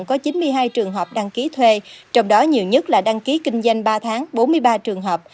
có chín mươi hai trường hợp đăng ký thuê trong đó nhiều nhất là đăng ký kinh doanh ba tháng bốn mươi ba trường hợp